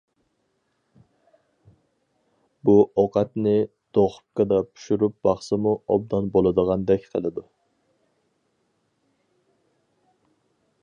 بۇ ئوقەتنى دۇخوپكىدا پىشۇرۇپ باقسىمۇ ئوبدان بولىدىغاندەك قىلىدۇ.